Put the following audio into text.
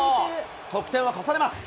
得点を重ねます。